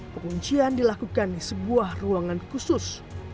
penguncian dilakukan di sebuah ruangan khusus